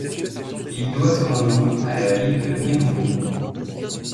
Il doit son nom à la ville de Mirebeau.